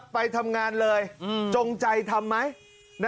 ไปทำงานเลยจงใจทำไหมนะครับ